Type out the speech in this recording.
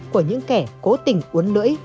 của những kẻ cố tình uốn lưỡi